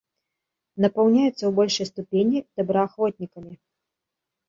Напаўняецца ў большай ступені добраахвотнікамі.